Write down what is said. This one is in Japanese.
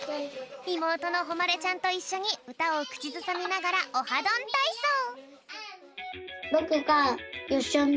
いもうとのほまれちゃんといっしょにうたをくちずさみながら「オハどんたいそう」。